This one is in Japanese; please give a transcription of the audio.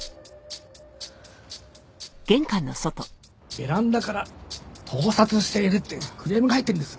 ベランダから盗撮しているっていうクレームが入ってるんです。